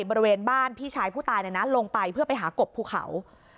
บริเวณบ้านพี่ชายผู้ตายลงไปเพื่อไปหากบภูเขา